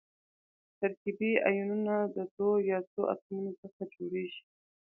ترکیبي ایونونه د دوو یا څو اتومونو څخه جوړیږي.